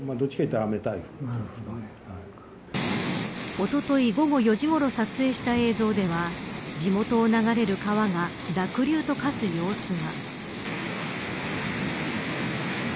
おととい午後４時ごろ撮影した映像では地元を流れる川が濁流と化す様子が。